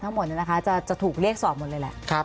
ทั้งหมดเลยนะคะจะถูกเรียกสอบเลยแหละ